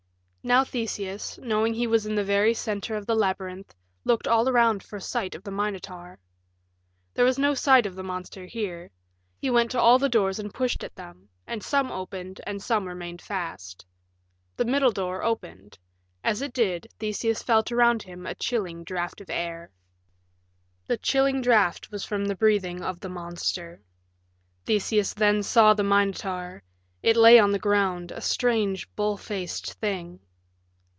Now Theseus, knowing he was in the very center of the labyrinth, looked all around for sight of the Minotaur. There was no sight of the monster here. He went to all the doors and pushed at them, and some opened and some remained fast. The middle door opened. As it did Theseus felt around him a chilling draft of air. That chilling draft was from the breathing of the monster. Theseus then saw the Minotaur. It lay on the ground, a strange, bull faced thing.